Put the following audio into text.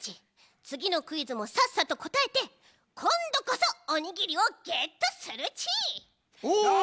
つぎのクイズもさっさとこたえてこんどこそおにぎりをゲットするち！